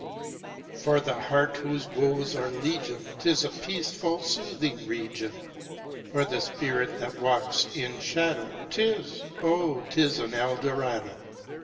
For the heart whose woes are legion 'T is a peaceful, soothing region; 40 For the spirit that walks in shadow 'T is oh, 't is an Eldorado!